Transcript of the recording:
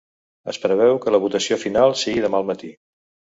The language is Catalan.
Es preveu que la votació final sigui demà al matí.